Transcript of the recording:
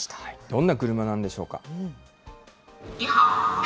どんな車なんでしょうか。